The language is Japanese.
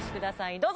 どうぞ！